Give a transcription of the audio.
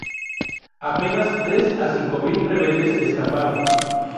Apenas tres a cinco mil rebeldes escaparon.